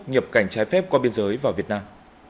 nhập cảnh trái phép qua biên giới vào việt nam